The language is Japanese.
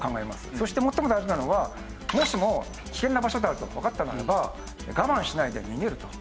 そして最も大事なのはもしも危険な場所であるとわかったならば我慢しないで逃げると。